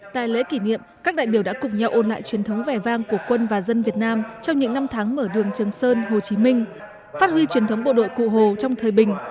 tại lễ kỷ niệm các đại biểu đã cùng nhau ôn lại truyền thống vẻ vang của quân và dân việt nam trong những năm tháng mở đường trường sơn hồ chí minh phát huy truyền thống bộ đội cụ hồ trong thời bình